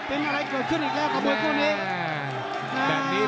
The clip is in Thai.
เป็นอะไรเกิดขึ้นอีกแล้วกับมวยคู่นี้